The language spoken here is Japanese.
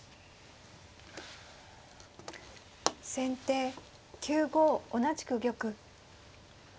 先手９五同じく玉。